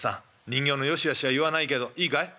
人形のよしあしは言わないけどいいかい？